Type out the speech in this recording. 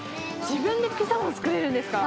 自分でピザも作れるんですか。